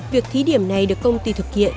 việc thí điểm này được công ty thực hiện